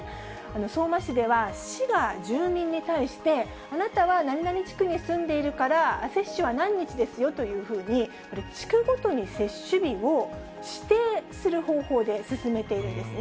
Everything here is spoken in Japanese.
相馬市では市が住民に対して、あなたは何々地区に住んでいるから、接種は何日ですよというふうに、地区ごとに接種日を指定する方法で進めているんですね。